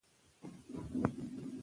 دښمن ماته نه خوړه.